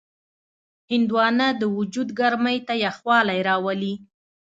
هندوانه د وجود ګرمۍ ته یخوالی راولي.